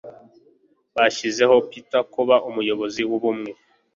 Bashyizeho Peter kuba umuyobozi wubumwe